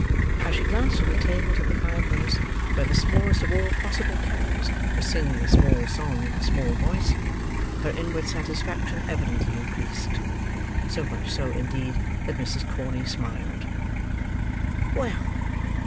As she glanced from the table to the fireplace, where the smallest of all possible kettles was singing a small song in a small voice, her inward satisfaction evidently increased,—so much so, indeed, that Mrs. Corney smiled. "Well!"